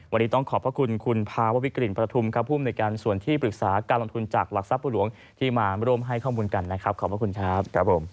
วันนี้ต้องขอบพระคุณคุณภาววิกลิ่นประทุมครับภูมิในการส่วนที่ปรึกษาการลงทุนจากหลักทรัพย์หลวงที่มาร่วมให้ข้อมูลกันนะครับขอบพระคุณครับผม